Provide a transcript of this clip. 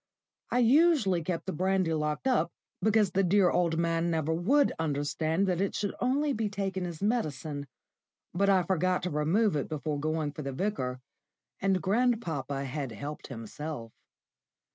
I usually kept the brandy locked up, because the dear old man never would understand that it should only be taken as medicine; but I forgot to remove it before going for the Vicar, and grandpapa had helped himself.